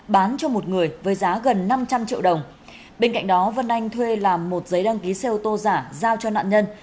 bán cho một người với giá gần năm trăm linh triệu đồng bên cạnh đó vân anh thuê làm một giấy đăng ký xe ô tô giả giao cho nạn nhân